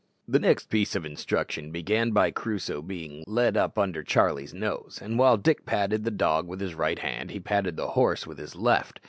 The next piece of instruction began by Crusoe being led up under Charlie's nose, and while Dick patted the dog with his right hand he patted the horse with his left.